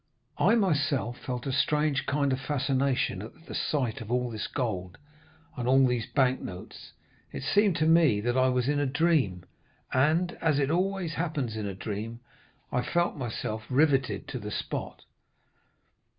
I myself felt a strange kind of fascination at the sight of all this gold and all these bank notes; it seemed to me that I was in a dream, and, as it always happens in a dream, I felt myself riveted to the spot.